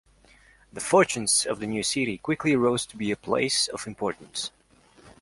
The fortunes of the new city quickly rose to be a place of importance.